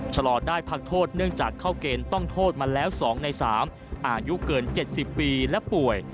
ชะลอได้พักโทษเนื่องจากเข้าเกณฑ์ต้องโทษมาแล้ว๒ใน๓อายุเกิน๗๐ปีและป่วย